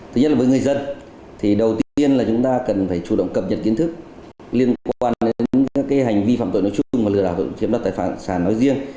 thứ nhất là với người dân thì đầu tiên là chúng ta cần phải chủ động cập nhật kiến thức liên quan đến các hành vi phạm tội nói chung và lừa đảo chiếm đoạt tài sản nói riêng